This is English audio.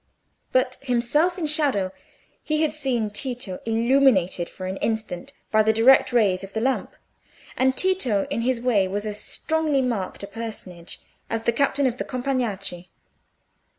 But, himself in shadow, he had seen Tito illuminated for an instant by the direct rays of the lamp, and Tito in his way was as strongly marked a personage as the captain of the Compagnacci.